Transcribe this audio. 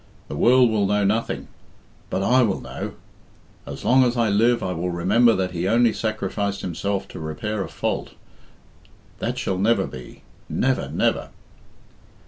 The world will know nothing. But I will know. As long as I live I will remember that he only sacrificed himself to repair a fault That shall never be never, never!"